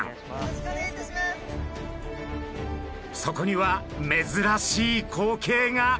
そこには珍しい光景が。